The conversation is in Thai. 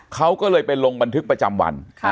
เขาก็เลยไปลงบันทึกประจำวัน